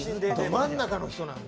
ど真ん中の人なんだ。